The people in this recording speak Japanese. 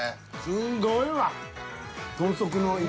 すごいわ。